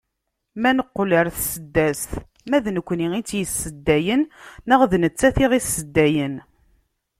Ma neqqel ɣer tseddast, ma d nekkni i d tt-yesseddayen neɣ d nettat i d aɣ-yesseddayen?